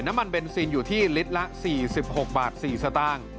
น้ำมันเบนซีนอยู่ที่ลิตรละ๔๖บาท๔สตางค์